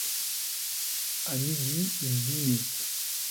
À midi, il dînait.